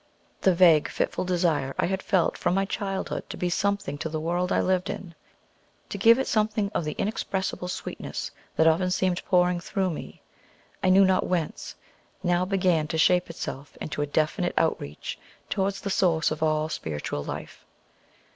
The vague, fitful desire I had felt from my childhood to be something to the world I lived in, to give it something of the the inexpressible sweetness that often seemed pouring through me, I knew not whence, now began to shape itself into a definite outreach towards the Source of all spiritual life.